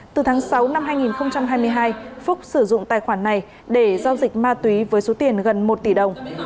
từ tháng sáu năm hai nghìn hai mươi hai phúc sử dụng tài khoản này để giao dịch ma túy với số tiền gần một tỷ đồng